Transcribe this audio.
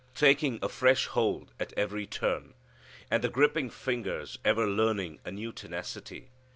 Taking a fresh hold at every turn. And the gripping fingers ever learning a new tenacity.